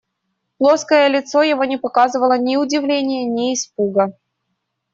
Плоское лицо его не показывало ни удивления, ни испуга.